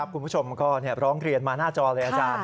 คุณผู้ชมก็ร้องเรียนมาหน้าจอเลยอาจารย์